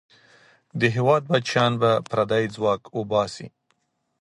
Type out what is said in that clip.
د هېواد بچیان به پردی ځواک وباسي.